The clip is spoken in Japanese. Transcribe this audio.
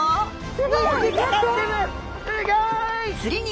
すギョい！